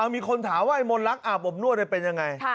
มีคนถามว่ามนลักอาบอบนวดได้เป็นยังไง